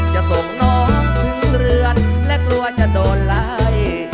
จะส่งน้องถึงเรือนและกลัวจะโดนไล่